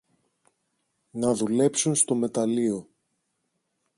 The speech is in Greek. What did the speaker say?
να δουλέψουν στο μεταλλείο